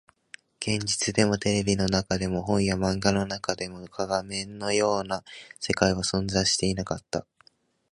現実でも、テレビの中でも、本や漫画の中でも、画面の中のような世界は存在していなかった